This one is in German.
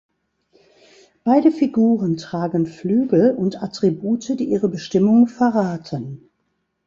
Beide Figuren tragen Flügel und Attribute, die ihre Bestimmung verraten.